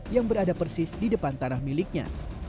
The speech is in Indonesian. yang berada persis di depan tanah miliknya